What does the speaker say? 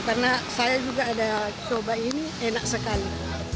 karena saya juga ada coba ini enak sekali